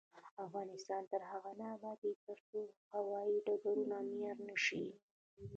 افغانستان تر هغو نه ابادیږي، ترڅو هوايي ډګرونه معیاري نشي.